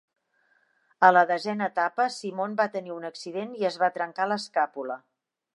A la desena etapa, Simon va tenir un accident i es va trencar l'escàpula.